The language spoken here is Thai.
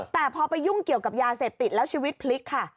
แต่พอไปยุ่งเกี่ยวกับยาเสพติดแล้วชีวิตพลิกค่ะ